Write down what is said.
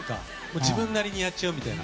自分なりにやっちゃうみたいな。